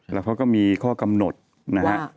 แล้วเขาก็มีข้อกำหนดนะฮะ